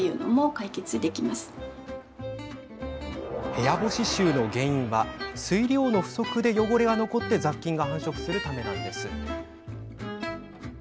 部屋干し臭の原因は水量の不足で汚れが残って雑菌が繁殖するためなんです。